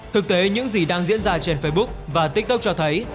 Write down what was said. thực tế những gì đang diễn ra trên facebook và tiktok cho thấy